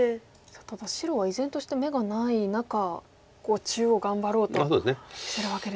ただ白は依然として眼がない中中央頑張ろうとしてるわけですよね。